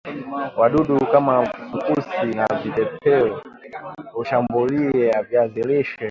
wadudu kama fukusi na vipepeo hushambulia viazi lishe